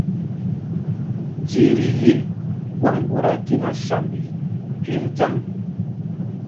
Dzihri yih buang bura ki na sambi pięr dzang.